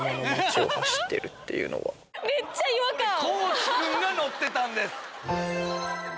地君が乗ってたんです。